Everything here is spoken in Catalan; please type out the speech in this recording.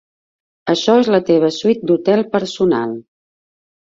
Això és la teva suite d'hotel personal.